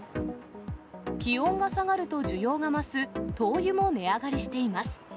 気温が下がると需要が増す灯油も値上がりしています。